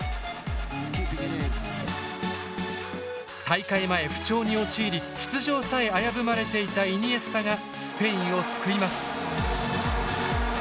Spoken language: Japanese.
大会前不調に陥り出場さえ危ぶまれていたイニエスタがスペインを救います。